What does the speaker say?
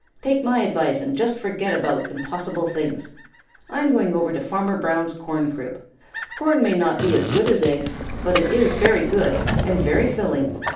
Take my advice and just forget about impossible things. I'm going over to Farmer Brown's corncrib. Corn may not be as good as eggs, but it is very good and very filling.